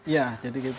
iya jadi gitu